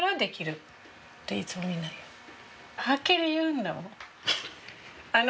はっきり言うんだもの。